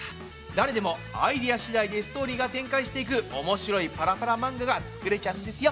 誰でもアイデアしだいでストーリーが展開していく面白いパラパラ漫画が作れちゃうんですよ。